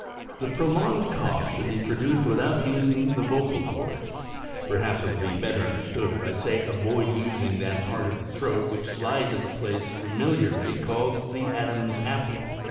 (The prolonged cough should he produced without using the vocal chords ; perhaps it will he better understood if I say avoid using that part of the throat which lies at the place familiarly called "Adam's apple."